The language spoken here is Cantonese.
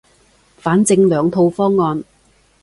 反正兩套方案